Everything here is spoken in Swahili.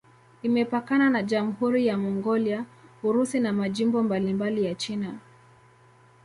Imepakana na Jamhuri ya Mongolia, Urusi na majimbo mbalimbali ya China.